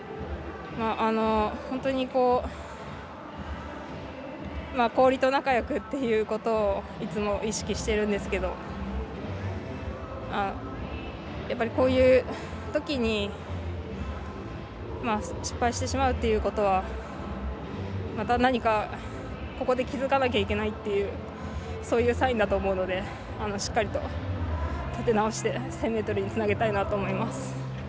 本当に氷と仲よくっていうことをいつも意識してるんですけどやっぱり、こういうときに失敗してしまうっていうことはまた何か、ここで気付かなきゃいけないっていうそういうサインだと思うのでしっかりと立て直して１０００ｍにつなげたいなと思います。